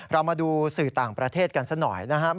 เรามาดูสื่อต่างประเทศกันสักหน่อยนะครับ